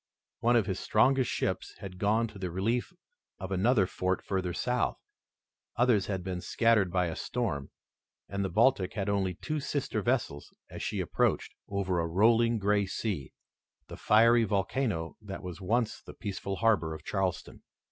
One of his strongest ships had gone to the relief of another fort further south, others had been scattered by a storm, and the Baltic had only two sister vessels as she approached, over a rolling gray sea, the fiery volcano that was once the peaceful harbor of Charleston.